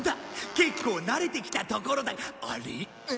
結構慣れてきたところだあれ？